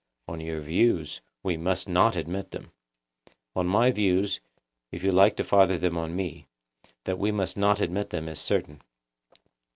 On your views, we must not admit them. On my views, if you like to father them on me; that we must not admit them is certain.